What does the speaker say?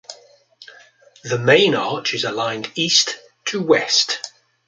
The main arch is aligned east to west.